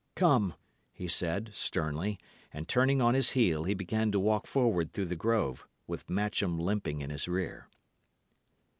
"Come," he said, sternly; and, turning on his heel, he began to walk forward through the grove, with Matcham limping in his rear.